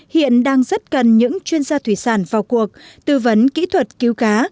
hiện đang rất cần những chuyên gia thủy sản vào cuộc tư vấn kỹ thuật cứu cá